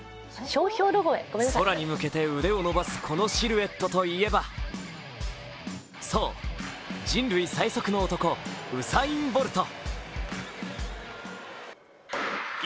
空に向けて腕を伸ばすこのシルエットといえばそう、人類最速の男、ウサイン・ボルト。